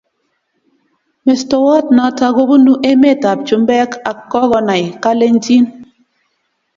Mestowot noto kobunu emet ab chumbek ak kokonai kalenjin